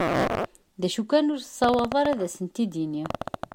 D acu kan ur tessaweḍ ara ad asent-id-tini.